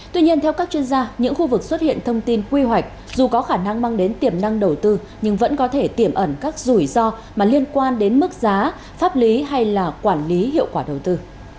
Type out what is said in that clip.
tuy nhiên theo các chuyên gia những khu vực xuất hiện thông tin quy hoạch dù có khả năng mang đến tiềm năng đầu tư nhưng vẫn có thể tiềm ẩn các rủi ro mà liên quan đến mức giá pháp lý hay là quản lý hiệu quả đầu tư